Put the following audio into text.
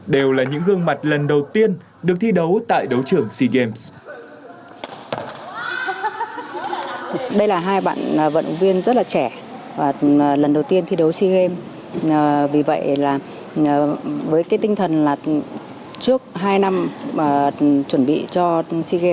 đều là những gương mặt lần đầu tiên được thi đấu tại đấu trưởng sea games